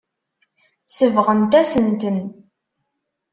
Sebɣent-asent-ten.